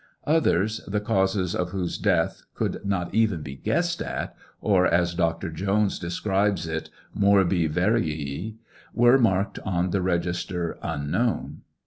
Others, the causes of whose deaths could not even be guessed at, or, as Dr. Jones describes it, morbi varii, were marked on the register " unknown."